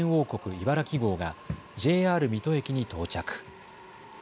いばらき号がＪＲ水戸駅に到着。